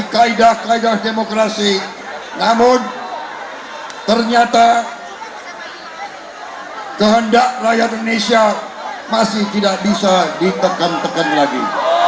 kehendak rakyat indonesia masih tidak bisa ditekan tekan lagi